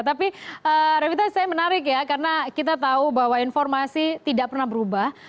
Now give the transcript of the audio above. tapi revita saya menarik ya karena kita tahu bahwa informasi tidak pernah berubah